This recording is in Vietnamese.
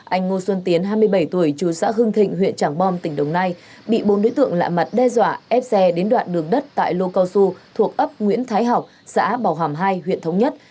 anh ngô xuân tiến hai mươi bảy tuổi chú xã hưng thịnh huyện trảng bom tỉnh đồng nai bị bốn đối tượng lạ mặt đe dọa ép xe đến đoạn đường đất tại lô cao su thuộc ấp nguyễn thái học xã bảo hàm hai huyện thống nhất